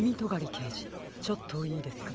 けいじちょっといいですか？